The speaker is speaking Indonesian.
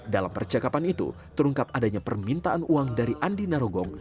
dalam percakapan itu terungkap adanya permintaan uang dari andi narogong